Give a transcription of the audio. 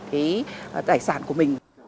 cái tài sản của mình